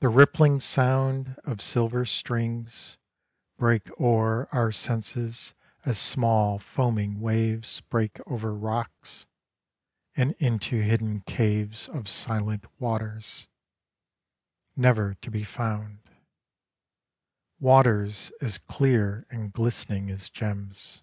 The rippling sound of silver strings Break o'er our senses as small foaming waves Break over rocks, And into hidden caves of silent waters — never to be found — Waters as clear and glistening as gems.